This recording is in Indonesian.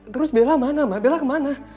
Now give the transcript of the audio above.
terus bella mana mbak bella kemana